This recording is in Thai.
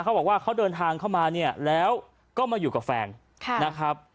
เขาบอกว่าเขาเดินทางเข้ามาเนี่ยแล้วก็มาอยู่กับแฟนนะครับ